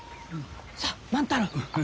さあ万太郎。